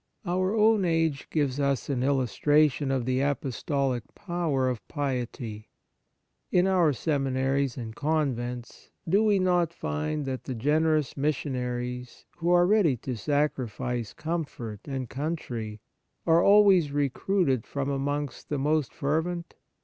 Our own age gives us an illustra tion of the apostolic power of piety. In our seminaries and convents, do we not find that the generous mis sionaries, who are ready to sacrifice comfort and country, are always recruited from amongst the most fer vent